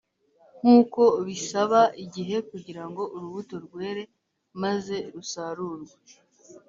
nk uko bisaba igihe kugira ngo urubuto rwere maze rusarurwe